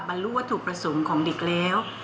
บรรลุวัตถุประสงค์ของเด็กแล้ว